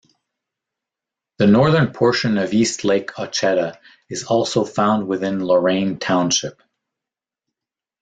The northern portion of East Lake Ocheda is also found within Lorain Township.